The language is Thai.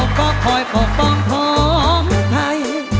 ก็คอยปกป้องพร้อมให้